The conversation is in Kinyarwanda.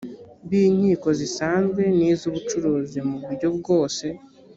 b inkiko zisanzwe n iz ubucuruzi mu buryo bwose